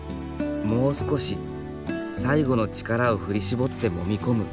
もう少し最後の力を振り絞ってもみ込む。